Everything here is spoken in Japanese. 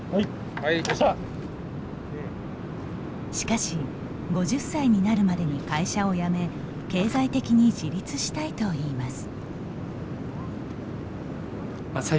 しかし５０歳になるまでに会社を辞め経済的に自立したいといいます。